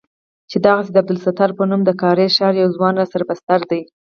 چې دغسې د عبدالستار په نوم د کارېز ښار يو ځوان راسره بستر دى.